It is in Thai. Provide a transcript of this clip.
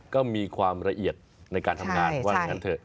ก็มีความละเอียดในการทำงานว่าอย่างนั้นเถอะ